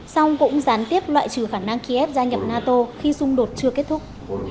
song cũng gián tiếp loại trừ khả năng kiev gia nhập nato khi xung đột chưa kết thúc